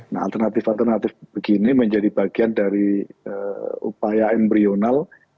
nah alternatif alternatif begini menjadi bagian dari upaya embryoonal